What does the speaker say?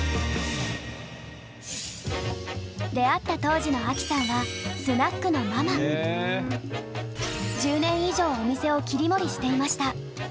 出会った当時のアキさんは１０年以上お店を切り盛りしていました。